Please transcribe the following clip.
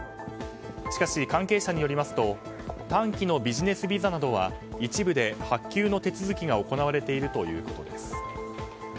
しかし、関係者によりますと短期のビジネスビザなどは一部で発給の手続きが行われているということです。